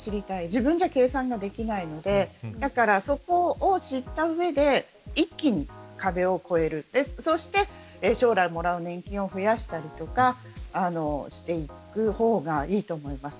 自分じゃ計算ができないのでそこを知った上で一気に壁を越えるそして、将来もらう年金を増やしたりとかしていく方がいいと思います。